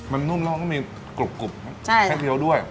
มันนุ่มแล้วมันก็มีกรุบให้เคี้ยวด้วย